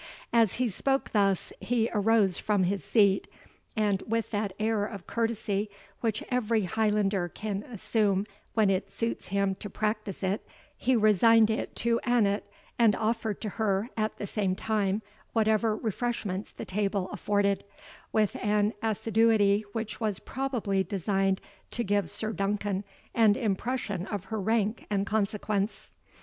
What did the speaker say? As he spoke thus, he arose from his seat, and with that air of courtesy which every Highlander can assume when it suits him to practise it, he resigned it to Annot, and offered to her, at the same time, whatever refreshments the table afforded, with an assiduity which was probably designed to give Sir Duncan an impression of her rank and consequence.